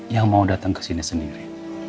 yang mau datang kesini sendiri